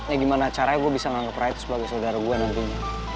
ya gimana caranya gue bisa nganggep raya itu sebagai saudara gue nantinya